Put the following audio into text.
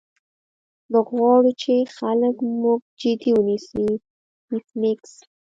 موږ غواړو چې خلک موږ جدي ونیسي ایس میکس